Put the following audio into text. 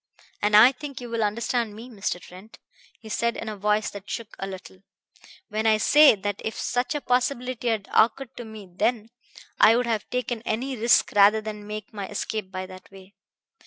"And I think you will understand me, Mr. Trent," he said in a voice that shook a little, "when I say that if such a possibility had occurred to me then, I would have taken any risk rather than make my escape by that way....